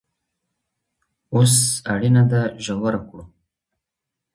اوس اړينه ده ژوره کړو.